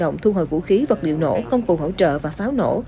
động thu hồi vũ khí vật liệu nổ công cụ hỗ trợ và pháo nổ